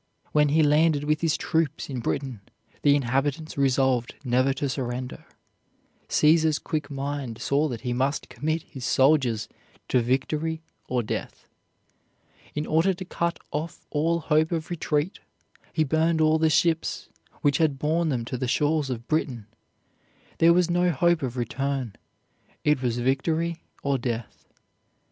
When he landed with his troops in Britain, the inhabitants resolved never to surrender. Caesar's quick mind saw that he must commit his soldiers to victory or death. In order to cut off all hope of retreat, he burned all the ships which had borne them to the shores of Britain. There was no hope of return, it was victory or death.